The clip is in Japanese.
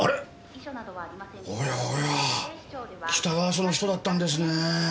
おやおや北川署の人だったんですねぇ。